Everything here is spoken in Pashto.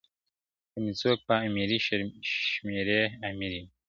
که مي څوک په امیری شمېري امیر یم »!.